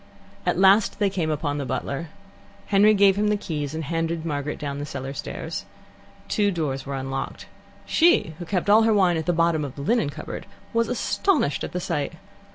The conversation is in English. At last they came upon the butler. Henry gave him the keys, and handed Margaret down the cellar stairs. Two doors were unlocked. She, who kept all her wine at the bottom of the linen cupboard, was astonished at the sight.